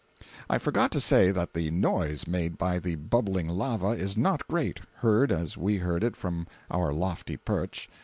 I forgot to say that the noise made by the bubbling lava is not great, heard as we heard it from our lofty perch.